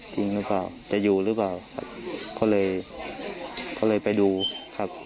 จริงหรือเปล่าจะอยู่หรือเปล่าก็เลยก็เลยไปดูครับ